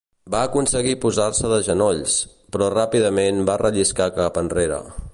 Va aconseguir posar-se de genolls, però ràpidament va relliscar cap enrere.